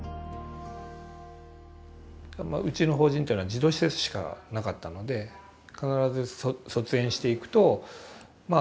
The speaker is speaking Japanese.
うちの法人というのは児童施設しかなかったので必ず卒園していくとまあ社会に出る。